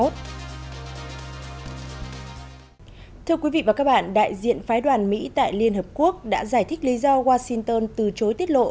đại diện phái đoàn mỹ tại liên hợp quốc đã giải thích lý do washington từ chối tiết lộ